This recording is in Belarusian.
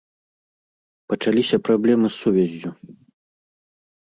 Пачаліся праблемы з сувяззю.